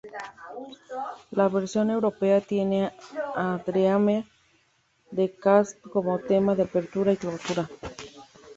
La versión europea tiene a "Dreamer" de Cast como tema de apertura y clausura.